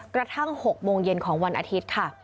กระทั่ง๖โมงเย็นของวันอาทิตย์ค่ะ